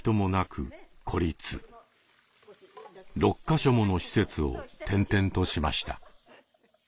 ６か所もの施設を転々としました。